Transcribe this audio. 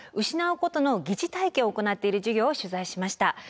失うことの疑似体験を行っている授業を取材しました。